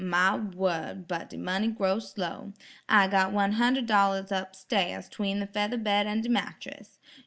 "My wurd, but de money grow slow; I got one hunder' dollars up stairs 'tween the feather bed an' de mattress.